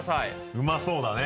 うまそうだね